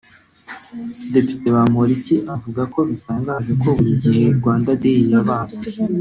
Depite Bamporiki avuga ko bitangaje ko buri gihe Rwanda Day yabaye